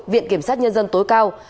viện kiểm sát nhân dân tối cao